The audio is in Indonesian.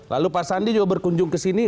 lalu pak sandi juga berkunjung ke sini